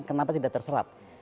kenapa tidak terserap